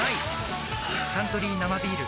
「サントリー生ビール」